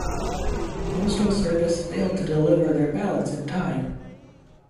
Postal Service failed to deliver their ballots in time.